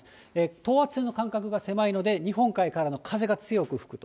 等圧線の間隔が狭いので、日本海からの風が強く吹くと。